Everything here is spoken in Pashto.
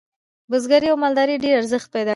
بزګرۍ او مالدارۍ ډیر ارزښت پیدا کړ.